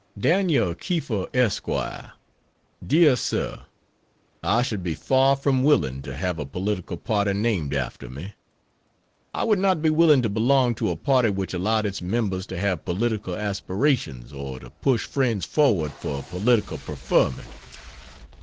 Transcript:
] DANL KIEFER ESQ. DEAR SIR, I should be far from willing to have a political party named after me. I would not be willing to belong to a party which allowed its members to have political aspirations or to push friends forward for political preferment.